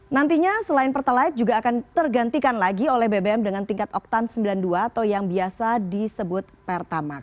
nantinya selain pertalite juga akan tergantikan lagi oleh bbm dengan tingkat oktan sembilan puluh dua atau yang biasa disebut pertamax